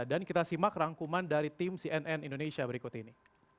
dan kita simak rangkuman dari tim cnn indonesia berikut ini